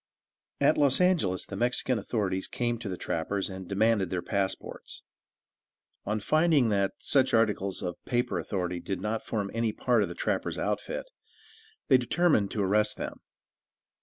At Los Angelos the Mexican authorities came to the trappers and demanded their passports. On finding that such articles of paper authority did not form any part of a trapper's outfit, they determined to arrest them.